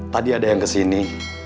tadi ada yang kesini